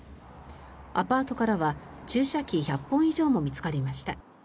アパートからは注射器１００本以上も見つかりました。